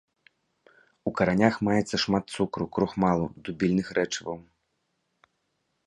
У каранях маецца шмат цукру, крухмалу, дубільных рэчываў.